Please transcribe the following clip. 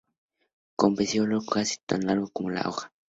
Con pecíolo casi tan largo como la hoja.